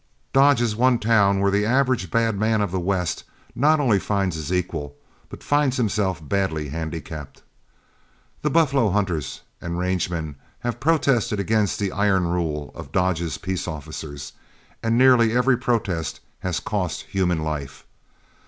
Dodge is one town where the average bad man of the West not only finds his equal, but finds himself badly handicapped. The buffalo hunters and range men have protested against the iron rule of Dodge's peace officers, and nearly every protest has cost human life.